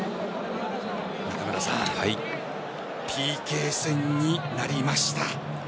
中村さん、ＰＫ戦になりました。